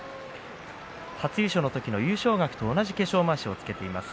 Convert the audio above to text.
初優勝の時の優勝額と同じ化粧まわしをつけています。